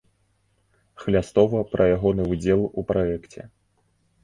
Хлястова пра ягоны ўдзел у праекце.